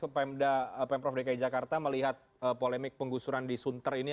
kepada pm prof dki jakarta melihat polemik penggusuran di sunter ini